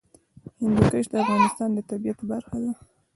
هندوکش د افغانستان د طبیعت برخه ده.